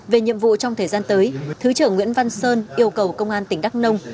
về nhiệm vụ trong thời gian tới thứ trưởng nguyễn văn sơn yêu cầu công an tỉnh đắk nông